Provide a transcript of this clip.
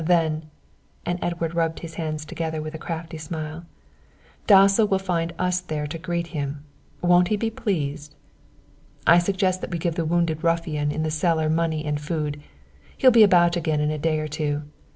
Then" and Edward rubbed his hands together with a crafty smile "Dasso will find us there to greet him. Won't he be pleased? "I suggest that we give the wounded ruffian in the cellar money and food. He'll be about again in a day or two.